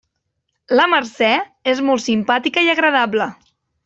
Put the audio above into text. La Mercè és molt simpàtica i agradable.